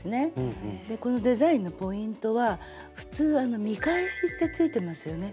でこのデザインのポイントは普通見返しってついてますよね。